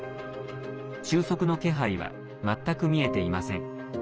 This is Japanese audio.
収束の気配は全く見えていません。